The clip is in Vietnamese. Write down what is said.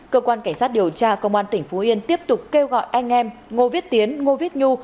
cơ quan cảnh sát điều tra công an tỉnh phú yên tiếp tục kêu gọi anh em ngô viết tiến ngô viết nhu